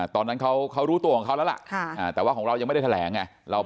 ตอนนั้นเขารู้ตัวของเขาแล้วล่ะ